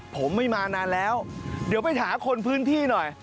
ผมไม่มานานแล้วเดี๋ยวไปหาคนพื้นที่หน่อย